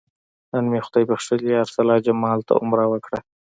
نن مې خدای بښلي ارسلا جمال ته عمره وکړه.